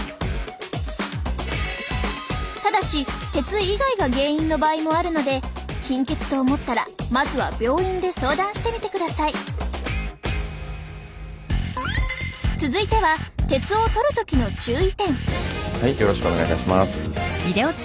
ただし鉄以外が原因の場合もあるので貧血と思ったらまずは病院で相談してみてください続いては鉄をとる時の注意点よろしくお願いいたします。